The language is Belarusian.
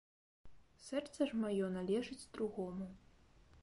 Сэрца ж маё належыць другому.